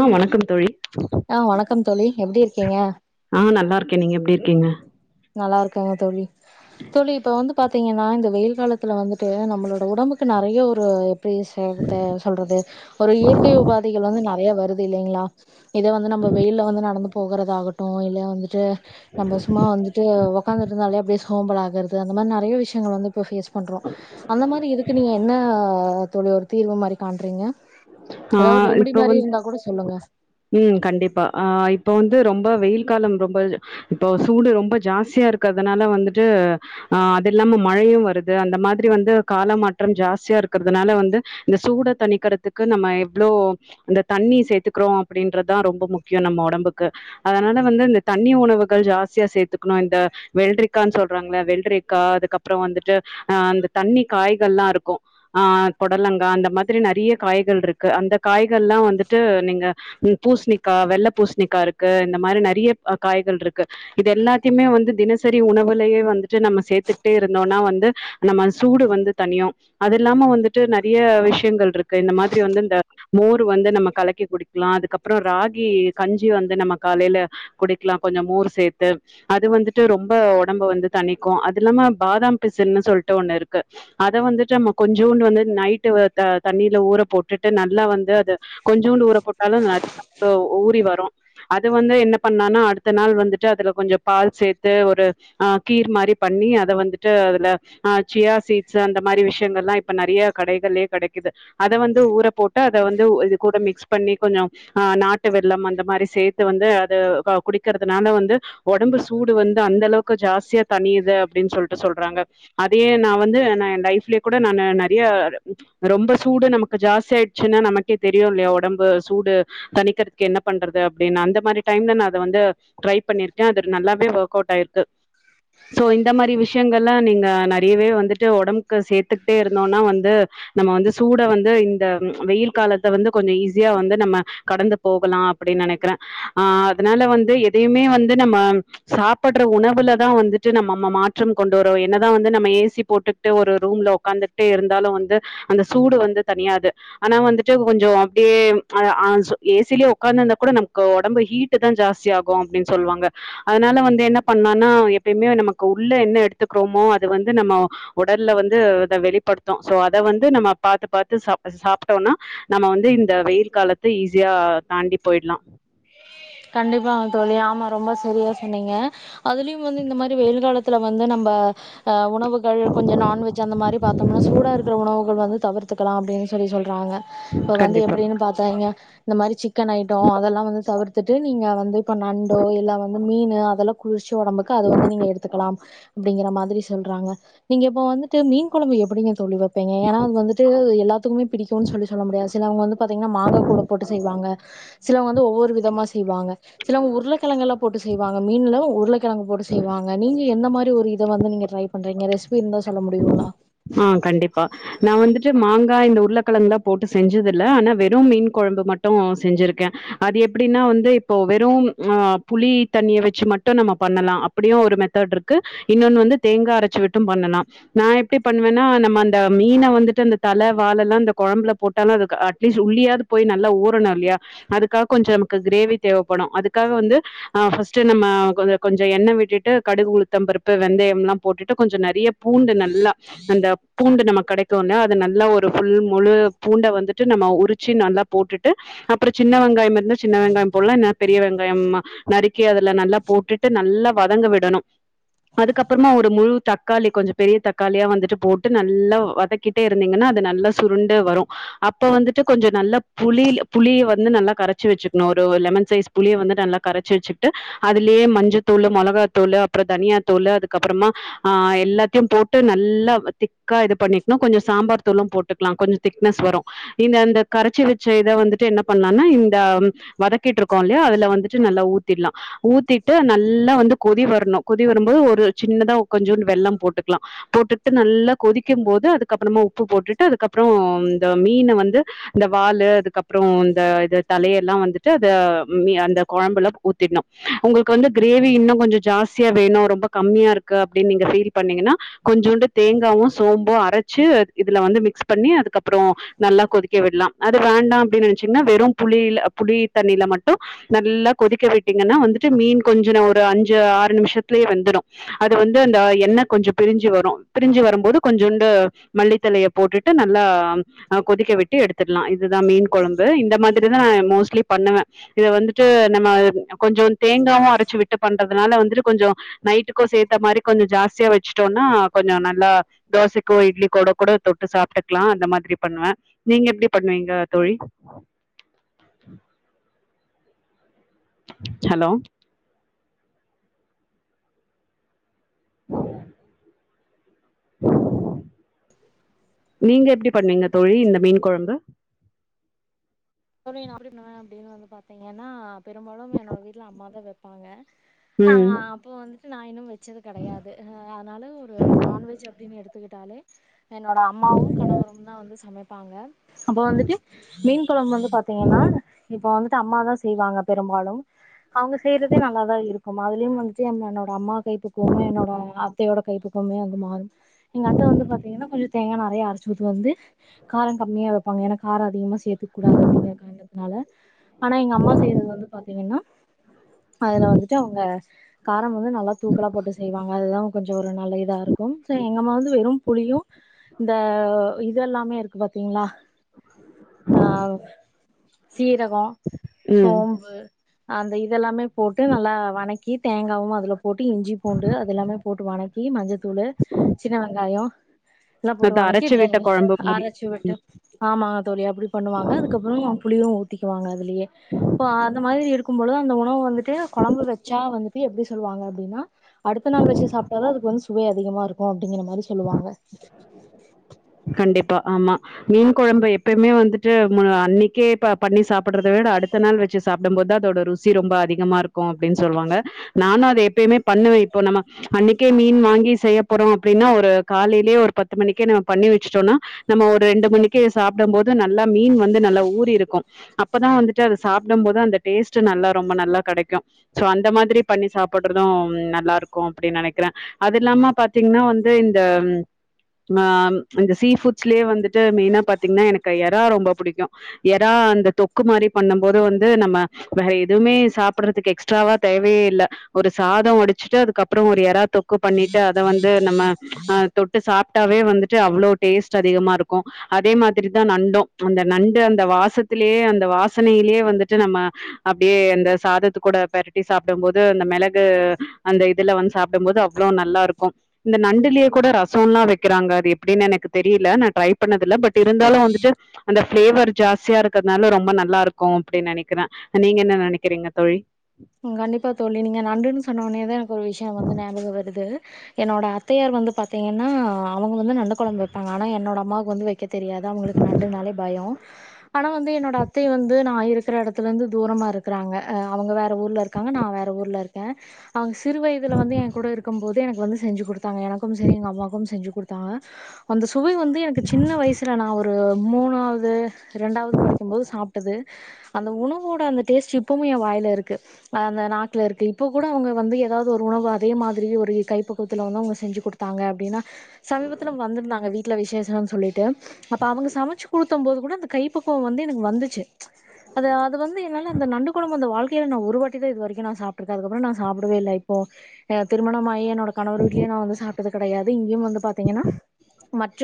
ஆ வணக்கம் தோழி ஆ வணக்கம் தோழி எப்டி இருக்கீங்க ஆ நல்லாருக் கே நீங்க எப்டி இருக்கீங்க நல்லா இருக்கங்க தோழி தோழி இப்ப வந்து பாத்தீங்கன்னா இந்த வெயில் காலத்துல வந்துட்டு நம்மளோட உடம்புக்கு நெறய ஒரு [unintelligible] சொல்றது ஒரு இயற்கை உபாதைகள் வந்து ந றய வருது இல்லைங்களா இத வந்து நம்ப வெயில வந்து நடந்து போகறதாகட் டு இல்ல வந்துட்டு நம்ப சும்மா வந்து உக்காந்துட்ருந்தாலே அப்படியே சோம்பல் ஆகுறது அந்த மாரி நெறய விஷயங்கள் வந்து ஃபேஸ் பண்றோ அந்த மாரி இதுக்கு நீங்க என்ன தோழி ஒரு தீர்வு மாரி காண்றீங்க ஆ ஏதாவது ரெமடி இப்ப மாரி வந்து இருந்தா கூட சொல்லுங்க ம் கண்டிப்பா அ இப்ப வந் து ரொம்ப வெயில் காலம் ரொம்ப இப்போ சூடு ரொம்ப ஜாஸ்தியா இருக்கிறதுனால வந்துட்டு ஆ அது இல்லாம மழையும் வருது அந்த மாதிரி வந்து கால மாற்றம் ஜாஸ்தியா இருக்கிறதுனால வந்து இந்த சூட தனிக்கர துக்கு நம்ம எவ்வளோ இந்த தண்ணி சேத்துக்கிறோ அப்படின்றதுதா ரொம்ப முக்கியம் நம்ம உடம்புக்கு அதனால வந்து இந்த தண்ணி உணவுகள் ஜாஸ்தியா சேத்துக்கணு இந்த வெள்ரிக்கான்னு சொல்றாங்களே வெள்ரிக்கா அதுக்கப்புறம் வந்துட்டு அ தண்ணி காய்கல்லா இருக்கும் ஆ பொடலங்கா அந்த மாதிரி நெறயா காய்கள் இருக்கு அந்த காய்கள்லா வந்துட்டு நீங்க பூசணிக்கா வெள்ள பூசணிக்கா இருக்கு இந்த மாரி நிறைய காய்கள் இருக்கு இது எல்லாத்தையுமே வந்து தினசரி உணவுலயே வந்துட்டு நம்ம சேத்துக்ட்டே இருந்தோனா வந்து நம்ம சூடு வந்து தனியு அது இல்லாம வந்துட்டு நெறைய விஷயங்கள் இருக் கு இந்த மாதிரி வந்து இந்த மோர் வந்து நம்ம கலக்கி குடிக்கலா அதுக்கப்புறம் ராகி கஞ்சி வந்து நம்ம காலையில குடிக்கலா கொஞ்சம் மோர் சேர்த்து அது வந்துட்டு ரொம்ப ஒடம்ப வந்து தணிக்கு அது இல்லாம பாதாம் பிசின்னு சொல்லிட்டு ஒண்ணு இருக்கு அத வந்துட்டு நம்ம கொஞ்சோன்னு வந்து நைட்டு த தண்ணில ஊற போட்டுட்டு நல்லா வந்து அது கொஞ்சோண்டு ஊற போட்டாலு ந ஊறி வரு அது வந்து என்ன பண்ணனா அடுத்த நாள் வந்துட்டு அதுல கொஞ்சம் பால் சேத்து ஒரு ஆ கீர் மாரி பண்ணி அத வந்துட்டு அதுல அ சியா சீட்ஸ் அந்த மாரி விஷயங்கள் எல்லா இப்ப நெறைய கடைகளயே கெடை கிது அத வந்து ஊற போட்டு அத வந்து இது கூட மிக்ஸ் பண்ணி கொஞ்சம் ஆ நாட்டு வெள்ளம் அந்த மாரி சேத்து வந்து அது குடிக்கிறதுனால வந்து ஒடம்பு சூடு வந்து அந்த அளவுக்கு ஜாஸ்தியா தனியுது அப்டின்னு சொல்ட்டு சொல்றாங்க அதே நா வந்து நா என் லைஃப்லயே கூட நா நெறையா ரொம்ப சூடு நமக்கு ஜாஸ்தி ஆயிடுச்சுன்னா நமக்கே தெரியு இல்லையா ஒடம்பு சூடு தணிக்கிறதுக்கு என்ன பண்றது அப்படின்னு அந்த மாரி டைம்ல நா அத வந்து ட்ரை பண்ணிருக்கே அது நல்லாவே ஒர்க் அவுட் ஆயிருக்கு சோ இந்த மாரி விஷயங்கள் எல்லா நீங்க நெறையவே வந்துட்டு ஒடம்புக்கு சேத்துக்கிட்டே இருந்தோனா வந்து நம்ம வந்து சூட வந்து இந்த வெயில் காலத்த வந்து கொஞ்சம் ஈஸியா வந்து நம்ம கடந்து போகலா அப்படின்னு நெனைக்கிறே ஆ அதனால வந்து எதையுமே வந்து நம்ம சாப்படுற உணவுலதா வந்துட்டு நம்ம ம மாற்றம் கொண்டு வரோ என்னதா வந்து நம்ம ஏ சி போட்டுக்கிட்டு ஒரு ரூம்ல உட்காந்துகிட்டே இருந்தாலு வந்து அந்த சூடு வந்து தனியாது ஆனா வந்துட்டு கொஞ்சம் அப்டியே அ ஆ ஏ சி-லயே ஒக்காந்து இருந்தா கூட நமக்கு ஒடம்பு ஹீட்டு தா ஜாஸ்தி ஆகும் அப்டின்னு சொல்லுவாங்க அதனால வந்து என்ன பண்ணனா எப்பயுமே நமக்கு உள்ள என்ன எடுத்துக்கிறோமோ அது வந்து நம்ம உடல்ல வந்து இத வெளிப்படுத்து சோ அத வந் து நம்ம பாத்து பாத்து சாப்ட சாப்ட்டோனா நம்ம வந்து இந்த வெயில் காலத்த ஈஸியா தாண்டி போயிடலாம் கண்டிப்பா தோழி ஆமா ரொம்ப சரியா சொன்னீங்க அதுலயும் வந்து இந்த மாரி வெயில் காலத்துல வந்து நம்ம அ உணவுகள் கொஞ்சம் நான்வெஜ் அந்த மாரி பாத்தோம்னா சூடா இருக்கிற உணவுகள் வந்து தவிர்த்துக்கலா அப்டின்னு சொல்லி சொல்றாங்க இப்ப வந்து கண்டிப்பா. எப்டின்னு பாத்தாய்ங்க இந்த மாரி சி சிக்கன் ஐட்டோ அதெல்லா வந்து தவிர்த்துட்டு நீங்க வந்து இப்ப நண்டோ இல்ல வந்து மீனு அதெல்லா குளிர்ச்சி ஒடம்புக்கு அது வந்து நீங்க எடுத்துக்கலா அப்படிங்கற மாரி சொல்றாங்க நீங்க இப்ப வந்துட்டு மீன் குழம்பு எப்டிங்க தோழி வப் இப்பங்க ஏன்னா அது வந்துட்டு எல்லா எல்லாத்துக்குமே பிடிக்கு சொல்லி சொல்ல முடியாது சிலவங்க வந்து பாத்தீங்கன்னா மாங்கா கூட போட்டு செய்வாங்க சிலவங்க வந்து ஒவ்வொரு த்தமா செய்வாங்க சில உருளக்கெழங்கெல்லா போட்டு செய்வாங்க மீன்ல உருளக்கெழங்கு போட்டு செய்வாங்க நீங்க எந்த மாதிரி ஒரு இத வந்து நீங்க ட்ரை பண்றீங்க ரெசிபி இருந்தா சொல்ல முடியுங்களா ஆ கண்டிப்பா நா வந்துட்டு மாங்காய் இந்த உருளக்கெழங்கு தா போட்டு செஞ்சது இல்ல ஆனா வெறு மீன் கொழம்பு மட்டு செஞ்சிருக்கே அது எப்டின்னா வந்து இப்போ வெறும் ஆ புளி தண்ணிய வச்சு மட்டு நம்ம பண்ணலா அப்டியு ஒரு மெத்தட் இருக்கு இன்னொன்னு வந்து தேங்கா அரைச்சு விட்டு பண்ணலா நா எப்டி பண்ணுவன்னா நம்ம அந்த மீன வந்துட்டு அந்த தல வாலல்லா அந்த குழம்புல போட்டாலு அதுக்கு அட்லீஸ்ட் உள்ளியாவது போய் நல்லா ஊறணு இல்லையா அதுக்காக கொஞ்ச நமக்கு கிரேவி தேவைப்படு அதுக்காக வந்து அ ஃபர்ஸ்ட்டு நம்ம கொ கொஞ்ச எண்ணெய் விட்டுட்டு கடுகு உளுத்த பருப்பு வெந்தய எல்ல போட்டுட்டு கொஞ்ச நெறைய பூண்டு நல்லா அந்த பூண்டு நம்ம கெடைக்கும்ன அது நல்லா ஒரு புல் முழு பூண்ட வந்துட்டு நம்ம உரிச்சு நல்லா போட்டுட்டு அப்புற சின்ன வெங்காய இருந்தா சின்ன வெங்காய போடலா இல்ல பெரிய வெங்காய நறுக்கி அதுல நல்லா போட்டுட்டு நல்லா வதங்க விடணு அதுக்கப்புறமா ஒரு முழு தக்காளி கொஞ்ச பெரிய தக் தக்காளிய வந்துட்டு போட்டு நல்லா வதக்கிட்டே இருந்தீங்கன்னா அது நல்லா சுருண்டு வரு அப்போ வந்துட்டு கொஞ்ச நல்லா புளி புளிய வந்து நல்லா கரைச்சு வச்சுக்கணு ஒரு லெமன் சைஸ் புளிய வந்துட்டு நல்லா கரைச்சி வச்சுக்ட்டு அதுலயே மஞ்ச தூளு மிளகா தூளு அப்புற தனியா தூளு அதுக்கப்புறமா ஆ எல்லாத்தையு போட் போட்டு நல்லா திக்கா இது பன்னிக்கனு கொஞ்ச சாம்பார் தூளு போட்டுக்கலா கொஞ்ச திக்னஸ் வரு இந்த அந்த கரைச்சி வச்ச இத வந்துட்டு என்ன பண்லானா இந்த வதக்கிட்டு இருக்கோ இல்லையா அதுல வந்துட்டு நல்லா ஊத்திடலா ஊத்திட்டு நல்லா வந்து கொதி வரணு கொதி வரும்போது ஒரு சின்னதா கொஞ்சுனு வெள்ள போட்டுக்கலா போட்டுட்டு நல்ல கொதிக்கும் போது அதுக்கப்புறமா உப்பு போட்டுட்டு அதுக்கப்புற இந்த மீன வந்து இந்த வாலு அதுக்கப்புற இந்த இது தலையல்லா வந்துட்டு அத ம அந்த கொழம்புல ஊத்தின்னு உங்களுக்கு வந்து கிரேவி இன்னு கொஞ்ச ஜாஸ்தியா வேணு ரொம்ப கம்மியா இருக்கு அப்டின்னு நீங்க ஃபீல் பண்ணீங்கன்னா கொஞ்சூண்டு தேங்காவு சோம்பு அரைச்சு இதுல வந்து மிக்ஸ் பண்ணி அதுக்கப்புற நல்லா கொதிக்க விட்லா அது வேண்டா அப்டின்னு நெனைச்சீங்கன்னா வெறு புளிஇல்ல புளி தண்ணியில மட்டும் நல்லா கொதிக்க விட்டீங்கன்னா வந்துட்டு மீன் கொஞ்ச ந ஒரு அஞ்சு ஆறு நிமிஷத்துலயே வெந்துறு அது வந்து அந்த எண்ணெ கொஞ்ச பிரிஞ்சு பிரிஞ்சு வரும்போது கொஞ்சுண்டு மல்லித்தலய போட்டுட்டு நல்லா கொதிக்க விட்டு எடுத் துல்லா இதுதா மீன் கொழம்பு இந்த மா இப்டிதா மோஸ்லி பண்ணுவே இத வந்துட்டு நம்ம கொஞ்ச தேங்காவு அரைச்சு விட்டு பண்றதுனால வந்துட்டு கொஞ்ச நைட்டுக்கோ சேத்த மாரி கொஞ்ச ஜாஸ்தியா வச் வச்சுட்டோன கொஞ்சம் நல்லா தோசைக்கோ இட்லிக்கோட கூட தொட்டு சாப்ட்டுக்கலா அந்த மாரி பண்ணுவே நீங்க எப்டி பண்ணுவீங்க தோழி ஹலோ நீங்க எப்டி பண்வீங்க தோழி இந்த மீன் கொழம்பு தோழி நா அப்டி பண்ணுவ அப்டின்னு வந்து பாத்தீங்கன்னா பெரும்பாலு என்னோட வீட்டுல அம்மாதா வப்பாங்க ஆ ம், அப்போ வந்து நாயுன் வச் வச்சது கெடையாது அதனால ஒரு நான்வெஜ் அப்டின்னு எடுத்துக்கி தாலே என்னோட அம்மாவு கணவருந்தா வந்து சமைப்பாங்க வப்பாங்க அப்போ வந்துட்டு மீன் கொழம்பு வந்து பாத்தீங்கன்னா இப்ப வந்துட்டு அம்மா தா செய்வாங்க அ பெரும்பாலு அவங்க செய்யறதே நல்லாதா இருக்கும் அதுலயு வந்துட்டு என்னோடட அம்மா கைப்பக்குமே என்னோட அத்தையோட கைப்புக்கவமே வந்து மாறு எங்க அத்த வந்து பாத்தீங்கன்னா கொஞ்ச தேங்கா நெறைய அரைச்சுத்து வந்து கார கம்மியா வைப்பாங்க ஏன்னா கார அதிகமா சே சேத்துக்கு கூடாது னால ஆனா எங்க அம்மா செய்றது வந்து பாத்தீங்கன்னா அதுல வந்துட்டு அவங்க காரம் வந்து நல்லா தூக்கலா போட்டு செய்வாங்க அதுதா கொஞ்ச ஒரு நல்ல இதா இருக்கு எங்க அம்மா வந்து வெறு புளியு இந்த இது எல்லாமே இரு அப்ப பாத்தீங்களா ஆ சீரக ம். சோம்பு அந்த இதெல்லாமே போட்டு நல்லா வணக் கி தேங்காவு அதுல போட்டு இஞ்சி பூண்டு அது எல்லாமே போட்டு வணக்கி மஞ்ச தூளு சின்ன வெங்காய எல்லா அது அரைச்சு விட்ட போட்டுக்கி குழம்பு மாரி. அரசு விட்டு ஆமாங்க தோழி அப்படி பண்ணுவாங்க அதுக் புளியு ஊத்திகுவாங்க இதுலயே இப்போ அந்த மாரி இரு இருக்கும்பொழுது அந்த உணவு வந்து டு கொழம்பு வச்சா வந்து எப்டி சொல்லாங்க அப்டின்னா அடுத்த நாள் வச்சு சாப்ட்டாதா அதுக்கு வந்து சுவை அதிகமா இருக்கு அப்டிங்கற மாரி சொல்லுவாங்க கண்டிப்பா ஆமா மீன் கொழம்பு எப்பயுமே வந்துட்டு அன்னைக்கே ப பண்ணி சாப்டுறத விட அடுத்த நாள் வச்சு சாப்டும் போத அதோட ருசி ரொம்ப அதிகமா இருக்கு அப்டின் சொல்லுவாங்க நானு அத எப்பயுமே பண்ணுவே இப்போ நம்ம அன்னைக்கே மீன் வாங்கி செய்ய போறோ அப்டின்னா ஒரு காலையிலயே ஒரு பத்து மணிக்கே நம்ம பண்ணி வச்சுட்டோம்னா நம்ம ஒரு ரெண்டு மணிக்கு சாப்பிடு போது நல்லா மீன் வந்து நல்லா ஊறி இருக்கு அப்பதா வந்துட்டு அதை சாப்பிடு போது அந்த டேஸ்ட்டு நல்லா ரொம்ப நல்லா கெடைக்கு சோ அந்த மாதிரி பண்ணி சாப்புடுறது நல்லா இருக்கு அப்டின்னு நெனைக்கிறே அது இல்லாம பாத்தீங்கன்னா வந்து இந்த ஆஹ இந்த சீ ஃபுட்ஸ்லயே வந்துட்டு மெயினா பாத்தீங்கன்னா எனக்கு எறரா ரொம்ப புடிக்கு எறரா அந்த தொக்கு மாரி பண்ணும் போது வந்து நம்ம வேற எதுவுமே சாப்பிறதுக்கு எக்ஸ்ட்ராவா தேவயே இல்ல ஒரு சாத வடிச்சுட்டு அதுக்கப்புற ஒரு எறா தொக்கு பண்ணிட்டு அத வந்து நம்ம அ தொட்டு சாப்ட்டாவே வந்து ட்டு அவ்ளோ டேஸ்ட்டா அதிகமா இருக்கு அதே மாதிரிதா நண்டு அந்த நண்டு அந்த வாசத்திலேயே அந்த வாசனையிலயே வந்துட்டு நம்ம அப்டியே அந்த சாதத்து கூட பெரட்டி சாப்பிட போது அந்த மெளகு அந்த இதுல வந்து சாப்பிட போது அவ்வளோ நல்லாருக்கு இந்த நண்டுலேயே கூட ரசோல்லா வைக்கிறாங்க அது எப் அப்டின்னு எனக்கு தெரியல நா ட்ரை பண்ணதுல்ல பட் இருந்தாலு வந்துட்டு அந்த பிளேவர் ஜாஸ்தியா இருக்கனால ரொம்ப நல்லாருக்கு அப்டி நெனைக்கிறே நீங்க என்ன நெனைக்கிறீங்க தோழி ம் கண்டிப்பா தோழி நீங்க நண்டுன்னு சொன்னொனேதா ஒரு விஷய வந்து ஞாபக வருது என்னோட அத்தையார் வந்து பாத்தீங்கன்னா அவங்க வந்து நண்டு கொழம்பு வைப்பாங்க ஆனா என்னோட அம்மாவுக்கு வந்து வைக்க தெரியாது அவங்களுக்கு நண்டுனாலே பயோ ஆனா வந்து என்னோட அத்தைய வந்து நா இருக்கிற எடத்துலருந்து தூரமாக இருக்கிறாங்க அவங்க வேற ஊர்ல இருக்காங்க நா வேற ஊர்ல இருக்கே அவங்க சிறு வயதல வந்து கூட இருக்கு போது எனக்கு வந்து செஞ்சு கொடுத்தாங்க எனக்கு சேரி எங்க அம்மாக்கு செஞ்சு கொடுத்தாங்க அந்த சு சுவை வந்து எனக்கு சின்ன வயசுல நா ஒரு மூணாவது ரெண்டாவது படிக்கு போது சாப்ட்டது அந்த உணவோட அந்த டேஸ்ட்டு இப்பவு ஏ வாயிலருக்கு அந்த நாக்குல இருக்கு இப்ப கூட அவங்க வந்து ஏதாவது ஒரு உணவு அதே மாதிரியே ஒரு கைப்பகுவத்துல வந்து அவங்க செஞ்சு கொடுத்தாங்க அப்டின்னா சமீபத்தில வந்திருந்தாங்க வீட்ல விசேஷனு சொல்லிட்டு அப்ப அவங்க சமைச்சு குடுத்தம் போது கூட அந்த கைப்பக்குவ வந்து எனக்கு வந்துச்சு அது அது வந்து என்னால அந்த நண்டு கொழம்பு அந்த வாழ்க் கைல நா ஒருவாட்டிதா இது வரைக்கு நா சாப்ட்ருக்க அதுக்கு அப்புற நா சாப்படவே இல்ல இப்போ ஆ திருமணமாயி என்னோட கணவர் வீடலேயே நா வந்து சாப்ட்டது கெடையாது இங்கேயு வந்து பாத்தீங்கன்னா மற்ற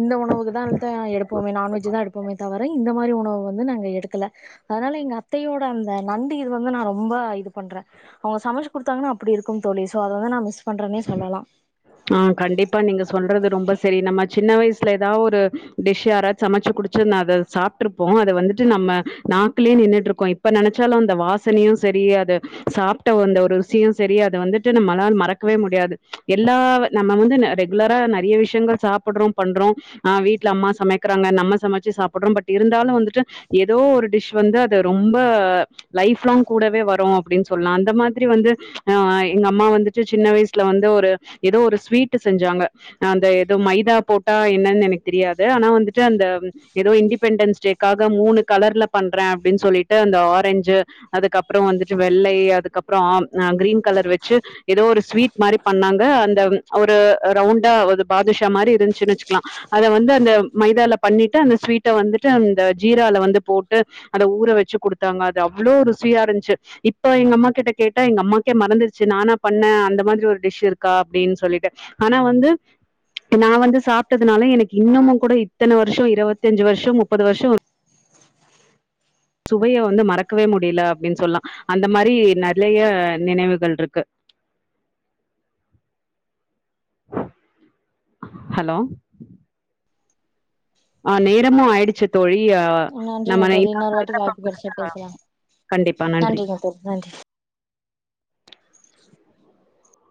இந்த உணவுக்குகள்தா அ எடுப்போமே நான்வெஜ் தா எடுப்போமே தவிர இந்த மாரி உணவு வந்து நாங்க எடுத் ல்ல அதனால எங்க அத்தையோட அந் அ நண்டு இது வந்து நா ரொம்ப இது பண்ற அவங்க சமைச்சு குடுத்தாங்கன்னா அப்டி இருக்கு தோழி சோ அத வந்து நா மிஸ் பண்றனே சொல்லலா ஆ கண்டிப்பா நீங்க சொல்றது ரொம்ப சரி நம்ம சின்ன வயசுல ஏதாவது ஒரு டிஷ் யாரா சமைச்சு குடிச்சு அத சாப்ட்டுருப்போ அது வந்துட்டு நம்ம நாக்கலேயே நின்ட்டுருக்கு இப்ப நெனைச்சாலு அந்த வாசனையு சரி அத சாப்ட்ட அந்த ஒரு ருசியு சரி அத வந்துட்டு நம்மளால மறக்கவே முடியாது எ எல்லாவ நம்ம வந்து ந ரெகுலரா நறைய விஷயங்கள் சாப்பட்றோ பண்றோ ஆ வீட்ல அம்மா சமைக்றாங்க நம்ம சமைச்சு சாப்புடுறோ பட் இருந்தாலு வந்துட்டு எதோ ஒரு டிஷ் வந்து அது ரொம்ப லைஃப் லாங் கூடவே வரு அப்டின் சொல்லா அந்த மாதிரி வந்து அ எங்க அம்மா வந்துட்டு சின்ன வய்சுல வந்து ஒரு எதோ ஒரு ஸ்வீட்டு செஞ்சாங்க அந்த எதோ மைதா போட்டா என்னன் எனக்கு தெரியாது ஆனா வந்துட்டு அந்த எதோ இண்டிபெண்டன்ஸ் டேக்காக மூணு கலர்ல பண்ற அப்டின் சொல்லிட்டு அந்த ஆரஞ்சு அதுக்கப்ரோ வந்துட்டு வெள்ளை அதுக்கப்ரோ ஆம் அ கிரீன் கலர் வச்சு எதோ ஒரு ஸ்வீட் மாரி பண்ணாங் க அந்த ஒரு ரவுண்டா ஒரு பாதுஷா மாரி இருந்ச்சுனு வச்சுக்கலா அத வந்து அந்த மைதால பண்ணிட்டு அந்த ஸ்வீட்ட வந்துட்டு அந்த ஜீரால வந்து போட்டு அத ஊற வச்சு குடுத்தாங்க அது அவ்ளோ ருசியா ருந்ச்சு இப்ப எங்க அம்மா கிட்ட கேட்ட எங்காம்மாக்கே மறந்துருச்சு நானா பண்ண அந்த மாதிரி ஒரு டிஷ் இருக் கா அப்டின் சொல்லிட்டு ஆனா வந்து நா வந்து சாப்ட்டதுனால எனக்கு இன்னமு கூட இத்தன வருஷ இருவத்தஞ்சு வருஷோ முப்பது வருஷோ சுவைய வந்து மறக்கவே முடில அப்டின் சொல்லா அந்த மாரி நலய நினைவுகள்ருக்கு ஹலோ ஆ நேரமு ஆயிடுச்சு தோழி [unintelligible] நன்றிங்க நம்ம தோழி இன்னொரு வாட்டி வாய்ப்பு கெடச்சா பேசலா [inaudible] கண்டிப்பா நன்றி நன்றிங்க தோழி நன்றி